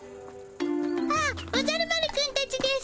あっおじゃる丸くんたちです。